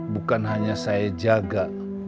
bukan hanya saya jaga